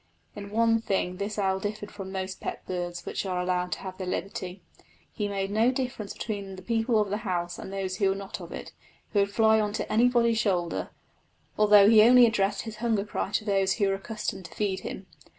In one thing this owl differed from most pet birds which are allowed to have their liberty: he made no difference between the people of the house and those who were not of it; he would fly on to anybody's shoulder, although he only addressed his hunger cry to those who were accustomed to feed him.